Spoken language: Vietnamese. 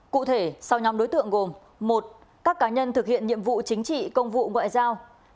cụ thể sau nhóm đối tượng gồm một các cá nhân thực hiện nhiệm vụ chính trị công vụ ngoại giao